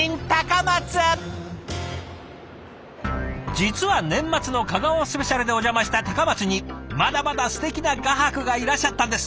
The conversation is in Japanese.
実は年末の「香川スペシャル」でお邪魔した高松にまだまだすてきな画伯がいらっしゃったんです。